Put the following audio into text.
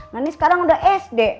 nah ini sekarang udah sd